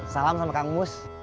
salam sama kang mus